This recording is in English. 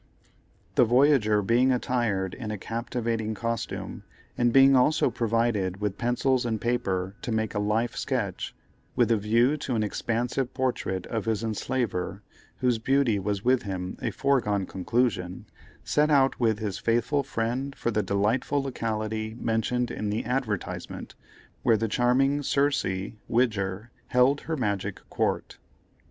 The voyager being attired in a captivating costume, and being also provided with pencils and paper to make a life sketch, with a view to an expansive portrait of his enslaver, whose beauty was with him a foregone conclusion, set out with his faithful friend for the delightful locality mentioned in the advertisement, where the charming Circe, Widger, held her magic court.